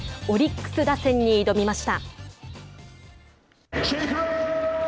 オリックス打線に挑みました。